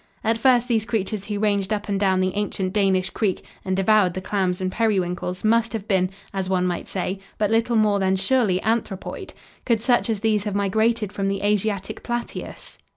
At first these creatures who ranged up and down the ancient Danish creek and devoured the clams and periwinkles must have been, as one might say, but little more than surely anthropoid. Could such as these have migrated from the Asiatic plateaus?